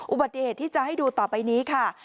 อุบัติเหตุที่จะให้ดูต่อไปนี้ค่ะ